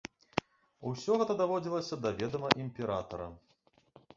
Усё гэта даводзілася да ведама імператара.